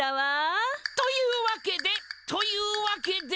というわけでというわけで。